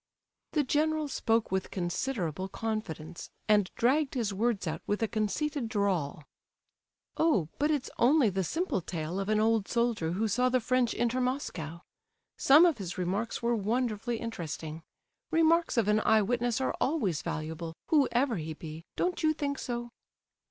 The general spoke with considerable confidence, and dragged his words out with a conceited drawl. "Oh, but it's only the simple tale of an old soldier who saw the French enter Moscow. Some of his remarks were wonderfully interesting. Remarks of an eye witness are always valuable, whoever he be, don't you think so?"